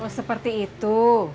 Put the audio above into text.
oh seperti itu